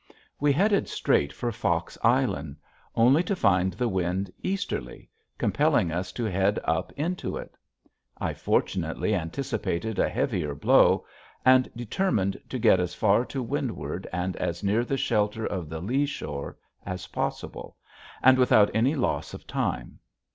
We headed straight for Fox Island only to find the wind easterly, compelling us to head up into it. I fortunately anticipated a heavier blow and determined to get as far to windward and as near the shelter of the lea shore as possible, and without any loss of time.